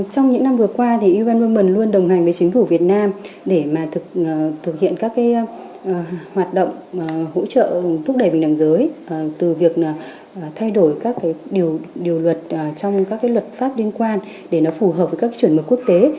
trong những năm vừa qua thì un women luôn đồng hành với chính phủ việt nam để mà thực hiện các cái hoạt động hỗ trợ thúc đẩy bình đảng giới từ việc thay đổi các cái điều luật trong các cái luật pháp liên quan để nó phù hợp với các cái chuyển mực quốc tế